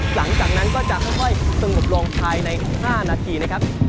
หลังจากนั้นก็จะค่อยสงบลงภายใน๕นาทีนะครับ